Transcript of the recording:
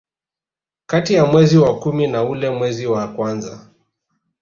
Kati ya mwezi wa kumi na ule mwezi wa kwanza